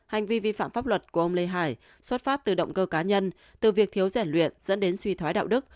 hành vi vi phạm pháp luật của ông lê hải xuất phát từ động cơ cá nhân từ việc thiếu rèn luyện dẫn đến suy thoái đạo đức